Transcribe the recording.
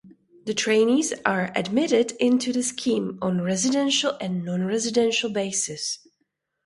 The trainees are admitted into the scheme on residential and non-residential basis.